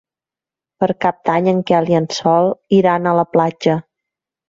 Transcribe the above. Per Cap d'Any en Quel i en Sol iran a la platja.